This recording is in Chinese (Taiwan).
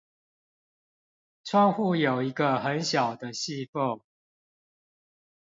窗戶有一個很小的隙縫